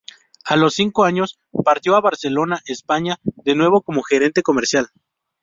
A los cinco años partió a Barcelona, España, de nuevo como gerente comercial.